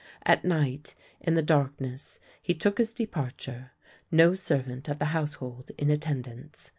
At night, in the darkness, he took his departure, no servant of the household in attendance.